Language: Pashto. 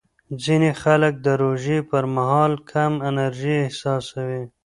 ځینې خلک د روژې پر مهال کم انرژي احساسوي.